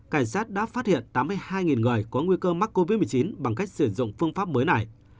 cảnh sát đã phát hiện tám mươi hai người có nguy cơ mắc covid một mươi chín bằng cách sử dụng phương pháp mới này